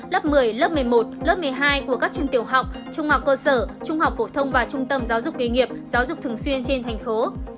lớp một mươi một lớp một mươi hai của các trường tiểu học trung học cơ sở trung học phổ thông và trung tâm giáo dục kế nghiệp giáo dục thường xuyên trên thành phố